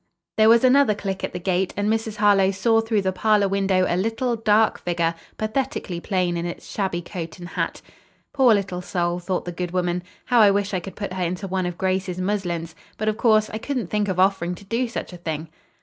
There was another click at the gate and Mrs. Harlowe saw through the parlor window a little, dark figure, pathetically plain in its shabby coat and hat. "Poor little soul," thought the good woman. "How I wish I could put her into one of Grace's muslins, but, of course, I couldn't think of offering to do such a thing."